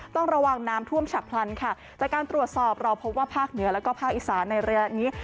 ต้องระวังน้ำท่วมฉับพลันค่ะจากการตรวจสอบเราพบว่าภาคเหนือแล้วก็ภาคอีสานในระยะนี้